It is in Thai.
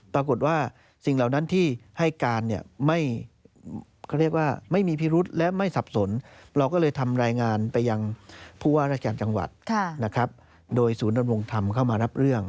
ปรากฏว่าสิ่งเหล่านั้นที่ให้การเนี่ยไม่เขาเรียกว่าไม่มีพิรุษและไม่สับสนเราก็เลยทำรายงานไปยังผู้ว่าราชการจังหวัดนะครับโดยศูนย์ดำรงธรรมเข้ามารับเรื่อง